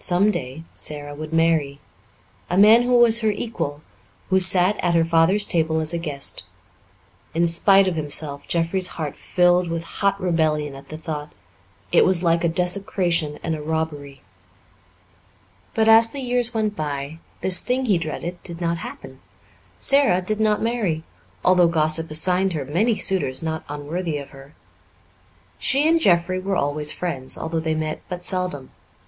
Some day Sara would marry a man who was her equal, who sat at her father's table as a guest. In spite of himself, Jeffrey's heart filled with hot rebellion at the thought; it was like a desecration and a robbery. But, as the years went by, this thing he dreaded did not happen. Sara did not marry, although gossip assigned her many suitors not unworthy of her. She and Jeffrey were always friends, although they met but seldom.